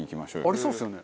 ありそうですよね